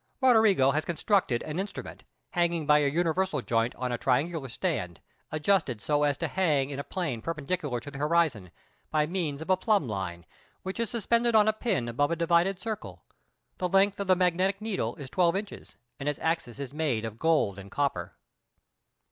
Roderigo has constructed an instrument, hanging by a universal joint on a triangular stand, adjusted so as to hang in a plane perpendicular to the horizon, by means of a plumb line, which is suspended on a pin above a divided circle. The length of the magnetic needle is 12 inches, and its axis is made of gold and copper.